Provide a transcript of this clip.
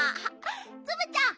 ツムちゃん